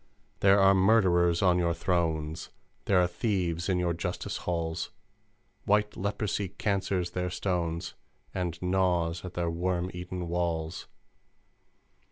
"There are murderers on your thrones, There are thieves in your Justice halls! White Leprosy cancers their stones, And gnaws at their worm eaten walls!